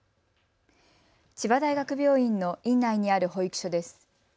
千葉大学病院の院内にある保育所です。